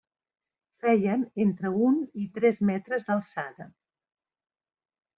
Feien entre un i tres metres d'alçada.